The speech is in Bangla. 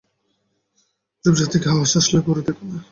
ঝোপঝাড় থেকে আওয়াজ আসলে ঘুরে দেখে না!